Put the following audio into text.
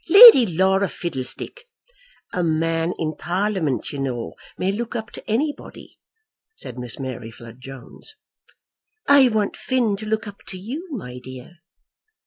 "Lady Laura Fiddlestick!" "A man in Parliament, you know, may look up to anybody," said Miss Mary Flood Jones. "I want Phin to look up to you, my dear."